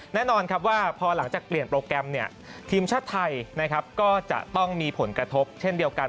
แน่นอนครับว่าพอหลังจากเปลี่ยนโปรแกรมทีมชาติไทยนะครับก็จะต้องมีผลกระทบเช่นเดียวกัน